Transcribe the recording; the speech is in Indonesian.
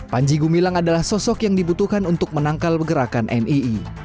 panji gumilang adalah sosok yang dibutuhkan untuk menangkal gerakan nii